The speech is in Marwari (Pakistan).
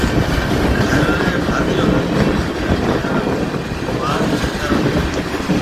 گھر ريَ ڀاتيون هون بي پيار هون وات ڪرڻ کپيَ۔